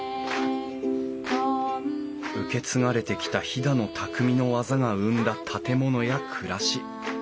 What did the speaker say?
受け継がれてきた飛騨の匠の技が生んだ建物や暮らし。